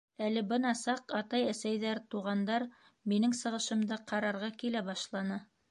Әле бына саҡ атай-әсәйҙәр, туғандар минең сығышымды ҡарарға килә башланы.